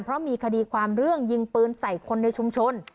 เพราะมีคดีความเรื่องยิงปืนใส่คนในชุมชน